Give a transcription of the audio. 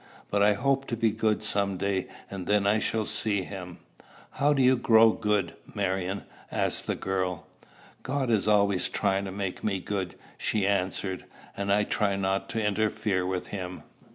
But I hope to be good some day, and then I shall see him." "How do you grow good, Marion?" asked the girl. "God is always trying to make me good," she answered; "and I try not to interfere with him."